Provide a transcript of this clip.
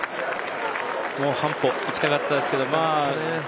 もう半歩いきたかったですけど。